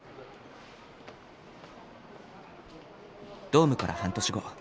ドームから半年後